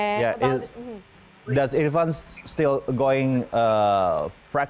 apakah irfan masih berlatih untuk pertandingan